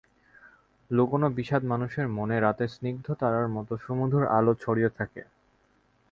লুকানো বিষাদ মানুষের মনে রাতে স্নিগ্ধ তারার মতো সুমধুর আলো ছড়িয়ে থাকে।